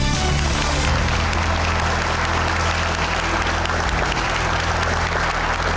โจทย์และกติกาสำหรับข้อนี้คือ